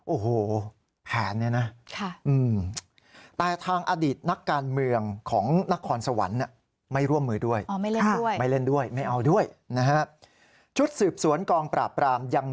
โอ้โหแผนเนี่ยนะ